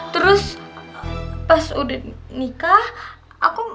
terus pas udah nikah aku